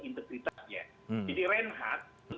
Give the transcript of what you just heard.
integritasnya jadi renhat